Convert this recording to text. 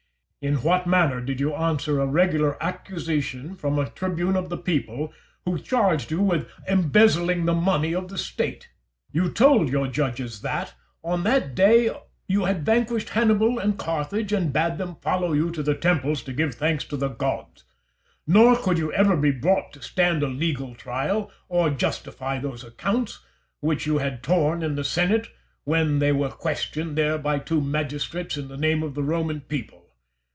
In what manner did you answer a regular accusation from a tribune of the people, who charged you with embezzling the money of the State? You told your judges that on that day you had vanquished Hannibal and Carthage, and bade them follow you to the temples to give thanks to the gods. Nor could you ever be brought to stand a legal trial, or justify those accounts, which you had torn in the senate when they were questioned there by two magistrates in the name of the Roman people.